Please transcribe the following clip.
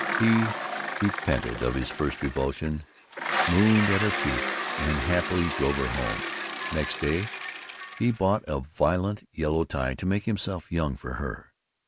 He repented of his first revulsion, mooned at her feet, and happily drove her home. Next day he bought a violent yellow tie, to make himself young for her.